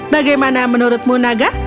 bagaimana menurutmu naga